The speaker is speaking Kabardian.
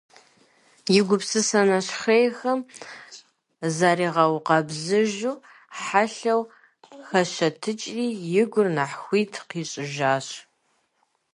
И гупсысэ нэщхъейхэм заригъэукъэбзыжу, хьэлъэу хэщэтыкӀри и гур нэхъ хуит къищӀыжащ.